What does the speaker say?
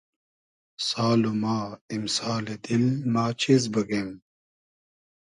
سال و ما ایمسالی دیل ما چیز بوگیم